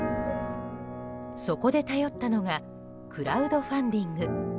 そこで頼ったのがクラウドファンディング。